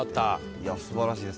いや、すばらしいです。